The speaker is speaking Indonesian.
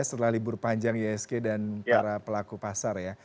setelah libur panjang isg dan para pelaku pasar ya